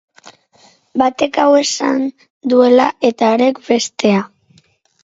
Batek hau esan duela eta harek bestea.